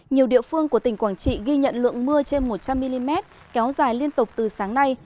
nhiều địa phương của tỉnh quảng trị ghi nhận lượng mưa trên một trăm linh mm kéo dài liên tục từ sáng nay